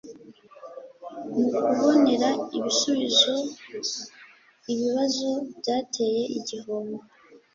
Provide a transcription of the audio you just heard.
mu kubonera ibisubizo ibibazo byateye igihombo.